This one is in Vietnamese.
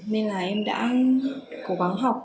nên là em đã cố gắng học